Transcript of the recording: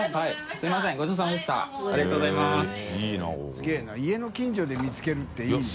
垢欧Г家の近所で見つけるっていいな。